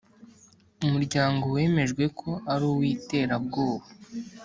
umuryango wemejwe ko ari uw’iterabwoba